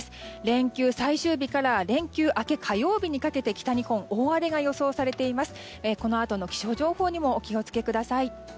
連休最終日から連休明け火曜日にかけて北日本、大荒れが予想されています。